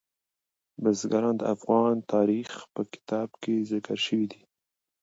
بزګان د افغان تاریخ په کتابونو کې ذکر شوی دي.